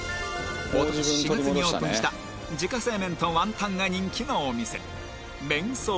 おととし４月にオープンした自家製麺とワンタンが人気のお店麺創庵